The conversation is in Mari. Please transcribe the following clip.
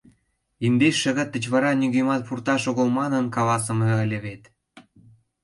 Индеш шагат деч вара нигӧмат пурташ огыл манын каласыме ыле вет.